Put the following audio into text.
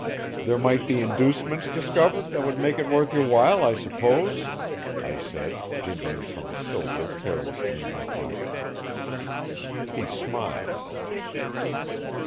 "There might be inducements discovered that would make it worth your while, I suppose?" I said, jingling some silver carelessly in my pocket. He smiled.